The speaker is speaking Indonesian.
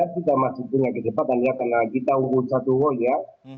kita masih punya kecepatan ya karena kita umur satu roya